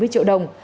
bảy mươi triệu đồng